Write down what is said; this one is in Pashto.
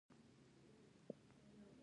د ژبې خدمت ژور فکر دی.